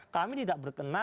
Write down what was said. kami tidak berkena